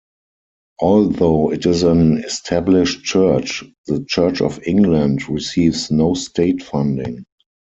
Although it is an established church, the Church of England receives no state funding.